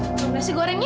masukkan nasi gorengnya